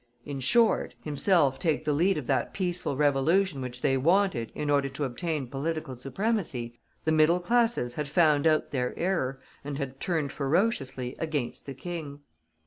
in short, himself take the lead of that peaceful revolution which they wanted in order to obtain political supremacy the middle classes had found out their error, and had turned ferociously against the King.